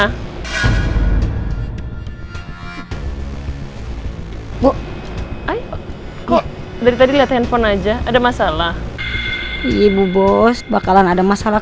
hai bu ayo kok dari tadi lihat handphone aja ada masalah ibu bos bakalan ada masalah